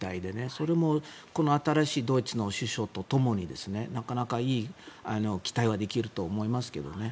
それも新しいドイツの首相とともになかなかいい期待はできると思いますけどね。